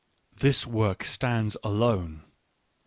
This work stands alone.